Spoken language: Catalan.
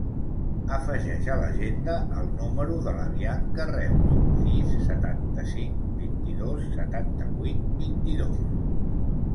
Afegeix a l'agenda el número de la Bianca Reus: sis, setanta-cinc, vint-i-dos, setanta-vuit, vint-i-dos.